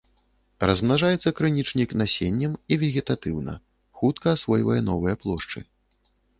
Размнажаецца крынічнік насеннем і вегетатыўна, хутка асвойвае новыя плошчы.